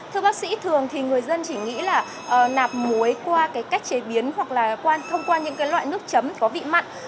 thưa bác sĩ thường thì người dân chỉ nghĩ là nạp muối qua cái cách chế biến hoặc là thông qua những loại nước chấm có vị mặn